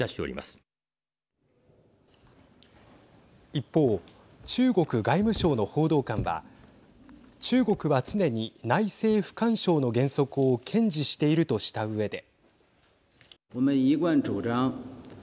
一方、中国外務省の報道官は中国は常に内政不干渉の原則を堅持しているとしたうえで。